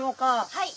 はい！